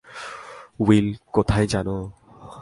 Will কোথায় জানো?